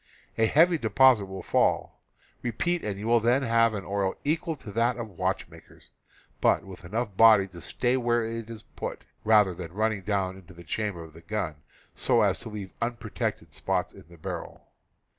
A heavy deposit will fall. Repeat, and you will then have an oil equal to that of watchmakers, but with enough body to stay where it is put, rather than running down into the chamber of the gun so as to leave unprotected spots in the barrel.